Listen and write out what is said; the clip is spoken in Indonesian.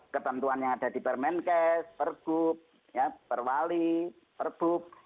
ketentuan yang ada di permenkes pergub perwali perbuk